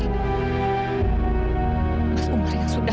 plan kaosnya selesai mencari nyawa